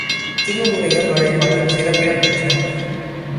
திருமுறைகள் வழிபாட்டில் சிறப்பிடம் பெற்றன.